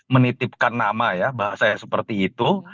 menitipkan nama ya bahasanya seperti itu